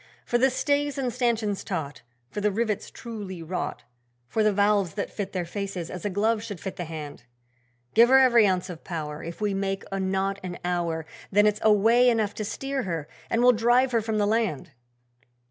'For the stays and stanchions taut, For the rivets truly wrought, For the valves that fit their faces as a glove should fit the hand. Give her every ounce of power, If we make a knot an hour Then it's way enough to steer her and we'll drive her from the land.'